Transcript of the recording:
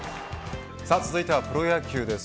続いてはプロ野球です。